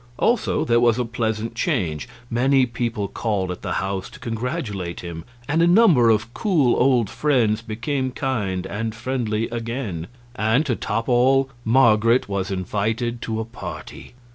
Also, there was a pleasant change; many people called at the house to congratulate him, and a number of cool old friends became kind and friendly again; and, to top all, Marget was invited to a party.